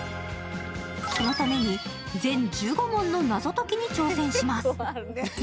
そのために全１５問の謎解きに挑戦します。